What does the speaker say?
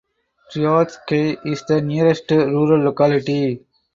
Troitsky is the nearest rural locality.